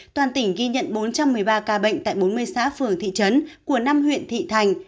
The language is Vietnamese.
toàn tỉnh ghi nhận bốn trăm một mươi ba ca bệnh tại bốn mươi xã phường thị trấn của năm huyện thị thành